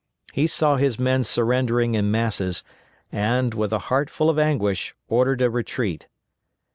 He saw his men surrendering in masses, and, with a heart full of anguish, ordered a retreat.